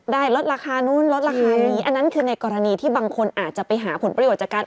ลดราคานู้นลดราคานี้อันนั้นคือในกรณีที่บางคนอาจจะไปหาผลประโยชน์จากการ